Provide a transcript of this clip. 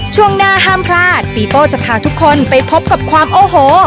ช่วงหน้าห้ามพลาดปีโป้จะพาทุกคนไปพบกับความโอ้โห